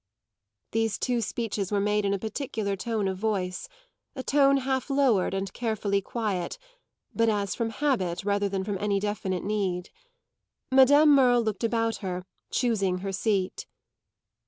These two speeches were made in a particular tone of voice a tone half lowered and carefully quiet, but as from habit rather than from any definite need. Madame Merle looked about her, choosing her seat.